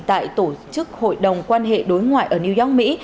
tại tổ chức hội đồng quan hệ đối ngoại ở new york mỹ